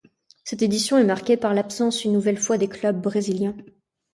Cette édition est marquée par l'absence une nouvelle fois des clubs brésiliens.